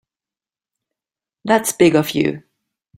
That's big of you.